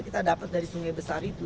kita dapat dari sungai besar itu